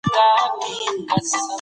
ډاکټر طبي متنونه ښه سموي.